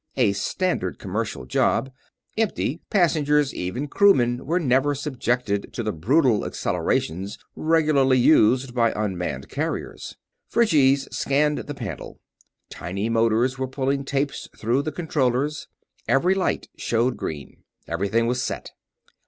A standard commercial job. Empty passengers, even crewmen, were never subjected to the brutal accelerations regularly used by unmanned carriers. Phryges scanned the panel. Tiny motors were pulling tapes through the controllers. Every light showed green. Everything was set.